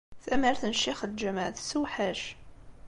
Tamart n ccix n lǧameɛ tessewḥac.